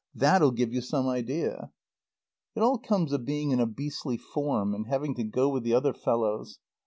That'll give you some idea. It all comes of being in a beastly form and having to go with the other fellows.